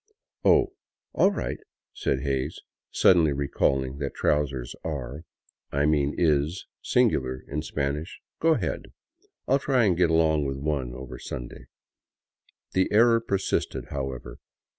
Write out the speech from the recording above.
" Oh, all right," said Hays, suddenly recalling that trousers are — I mean is — singular in Spanish, " go ahead. I '11 try to get along with one over Sunday." The error persisted, however.